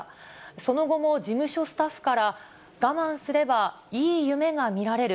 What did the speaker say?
その後も、事務所スタッフから我慢すればいい夢が見られる。